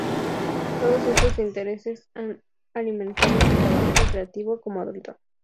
Todos estos intereses han alimentado su trabajo creativo como adulto.